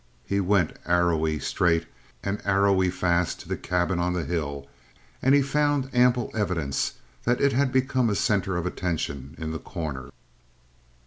He went arrowy straight and arrowy fast to the cabin on the hill, and he found ample evidence that it had become a center of attention in The Corner.